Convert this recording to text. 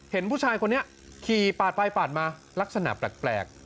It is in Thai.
เห็นผู้ชายคนนี้ขี่ปาดไปปาดมาลักษณะแปลก